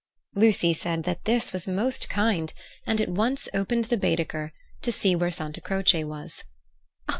Lucy said that this was most kind, and at once opened the Baedeker, to see where Santa Croce was.